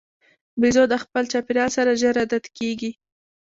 بیزو د خپل چاپېریال سره ژر عادت کېږي.